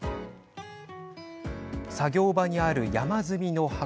作業場にある山積みの箱。